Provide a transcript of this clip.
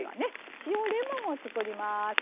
塩レモンを作ります。